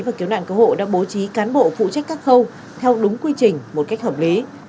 và cứu nạn cứu hộ đã bố trí cán bộ phụ trách các khâu theo đúng quy trình một cách hợp lý